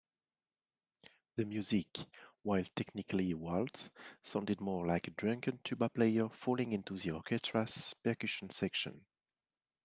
The music, while technically a waltz, sounded more like a drunken tuba player falling into the orchestra's percussion section.